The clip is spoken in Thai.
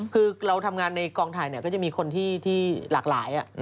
คือเราทำงานในกองถ่ายก็จะมีคนที่หลากหลาย